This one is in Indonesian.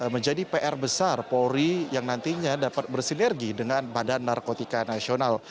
menjadi pr besar polri yang nantinya dapat bersinergi dengan badan narkotika nasional